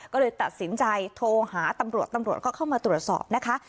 ก็เลยตัดสินใจโทรหาตำรวจตำรวจก็เข้ามาตรวจสอบนะคะ